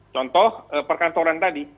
contoh perkantoran tadi